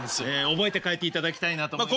覚えて帰っていただきたいなと思います。